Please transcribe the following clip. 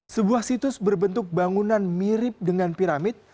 sebuah situs berbentuk bangunan mirip dengan piramid